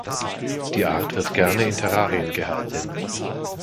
Die Art wird gerne in Terrarien gehalten.